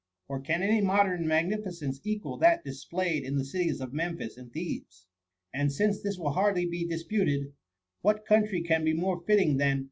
or can any modem magnificence equal that displayed in the cities of Memphis and Thebes? And since this will hardly be dis puted, what country can be more fitting than THE M0MMY.